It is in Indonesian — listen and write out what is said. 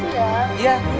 terima kasih pak joko